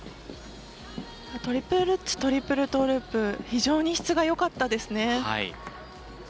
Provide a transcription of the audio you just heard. トリプルルッツトリプルトーループ非常に質がよかったですね。